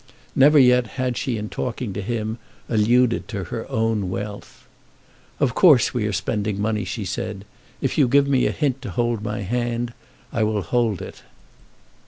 Never yet had she in talking to him alluded to her own wealth. "Of course we are spending money," she said. "If you give me a hint to hold my hand, I will hold it."